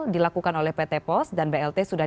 dilakukan oleh pt pos dan blt sudah